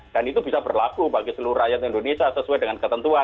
dan itu bisa berlaku bagi seluruh rakyat indonesia sesuai dengan ketentuan gitu